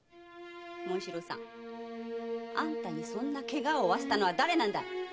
紋四郎さんにそんなケガを負わせたのは誰なんだい